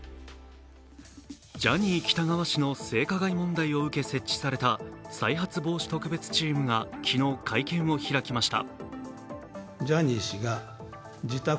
ジャニー喜多川氏の性加害問題を受け設置された再発防止特別チームが昨日会見を開きました。